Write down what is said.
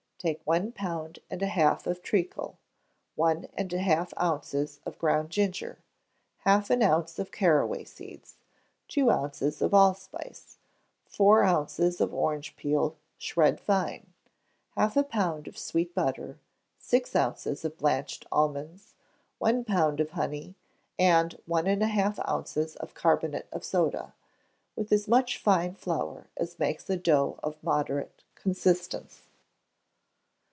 Take one pound and a half of treacle; one and a half ounces of ground ginger; half an ounce of caraway seeds; two ounces of allspice; four ounces of orange peel, shred fine; half a pound of sweet butter; six ounces of blanched almonds; one pound of honey; and one and a half ounces of carbonate of soda; with as much fine flour as makes a dough of moderate consistence.